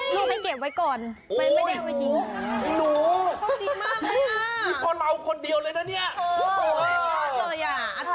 ปลิ๊กชีวิตคนไทยได้เยอะมาก